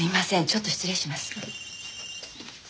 ちょっと失礼します。